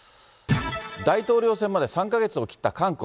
大統領選まで３か月を切った韓国。